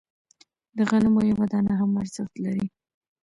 د غنمو یوه دانه هم ارزښت لري.